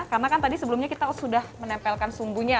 karena kan tadi sebelumnya kita sudah menempelkan sumbunya